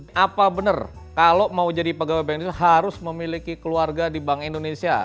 jadi apa benar kalau mau jadi pegawai bank indonesia harus memiliki keluarga di bank indonesia